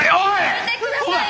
やめてください！